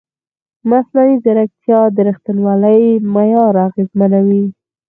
مصنوعي ځیرکتیا د ریښتینولۍ معیار اغېزمنوي.